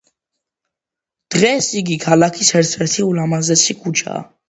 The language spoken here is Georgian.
დღეს იგი ქალაქის ერთ-ერთი ულამაზესი ქუჩაა.